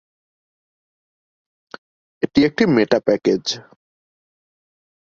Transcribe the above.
এটি একটি meta package.